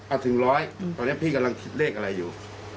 เอาถึงร้อยตอนนี้พี่กำลังคิดเลขอะไรอยู่